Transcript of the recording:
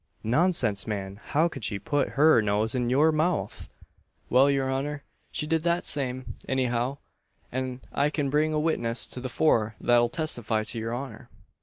"Nonsense, man! How could she put her nose in your mouth?" "Well, your honour, she did that same, any how; an I can bring a witness to the fore that'll testify to your honour."